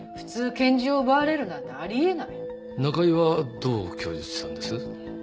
拳銃を奪われるなんてありえない中井はどう供述したんです？